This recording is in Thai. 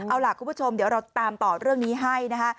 เอาล่ะคุณผู้ชมเดี๋ยวเราตามต่อเรื่องนี้ให้นะคะ